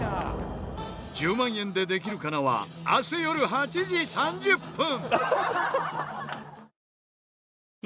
『１０万円でできるかな』は明日よる８時３０分！